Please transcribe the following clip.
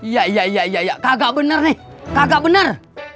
ya ya ya ya kagak bener nih kagak bener